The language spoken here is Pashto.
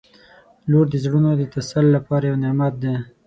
• لور د زړونو د تسل لپاره یو نعمت دی.